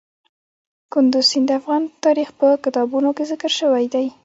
کندز سیند د افغان تاریخ په کتابونو کې ذکر شوی دي.